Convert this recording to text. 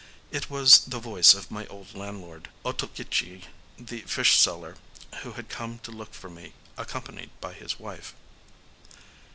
It was the voice of my old landlord, Otokichi the fishseller, who had come to look for me, accompanied by his wife.